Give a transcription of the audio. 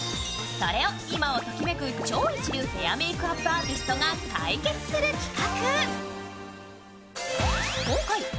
それを、今をときめく超一流ヘアメークアーティストが解決する企画。